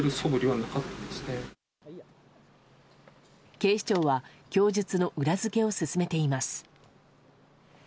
警視庁は供述の裏付けを進めています。